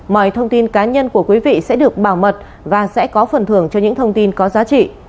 mọi thông tin cá nhân của quý vị sẽ được bảo mật và sẽ có phần thưởng cho những thông tin có giá trị